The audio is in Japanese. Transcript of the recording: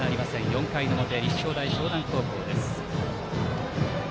４回の表、立正大淞南高校です。